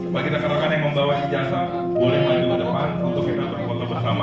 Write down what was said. bagi kita katakan yang membawa ijasa boleh maju ke depan untuk kita foto bersama